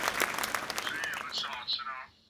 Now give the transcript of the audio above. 中国金乡门户网站